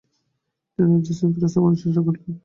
তিনি রাজ্যে শৃঙ্খলা-স্থাপনের চেষ্টা করিলেন।